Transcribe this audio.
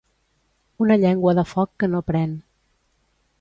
Una llengua de foc que no pren.